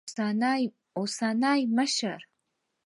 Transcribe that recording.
اوسني مشر